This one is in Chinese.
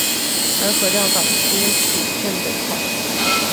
而禾寮港街属镇北坊。